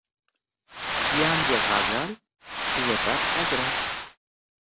Yangi g’azal uzatar Hazrat